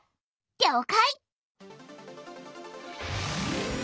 りょうかい！